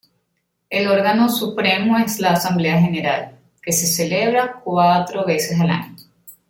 El órgano supremo es la Asamblea General, que se celebra cuatro veces al año.